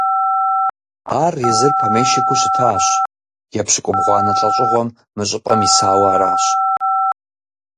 Ар езыр помещикыу щытащ, епщыкӀубгъуанэ лӀэщӀыгъуэм мы щӀыпӀэм исауэ аращ.